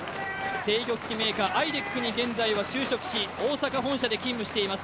制御機器メーカーＩＤＥＣに現在は就職し、大阪本社に勤務しています。